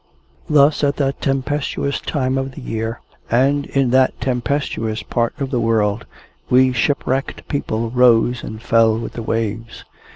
Thus, at that tempestuous time of the year, and in that tempestuous part of the world, we shipwrecked people rose and fell with the waves.